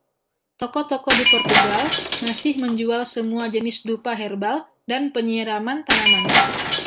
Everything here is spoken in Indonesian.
Toko-toko di Portugal masih menjual semua jenis dupa herbal dan penyiram tanaman.